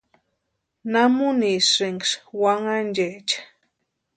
¿Namunisïnksï wanhanchecha?